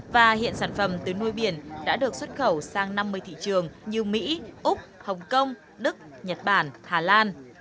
và hiện sản phẩm từ nuôi biển đã được xuất khẩu sang năm mươi thị trường như mỹ úc hồng kông đức nhật bản hà lan